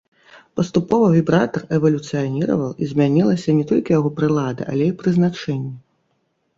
Паступова вібратар эвалюцыяніраваў, і змянілася не толькі яго прылада, але і прызначэнне.